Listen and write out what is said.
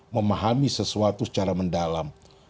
memahami sesuatu secara mendalam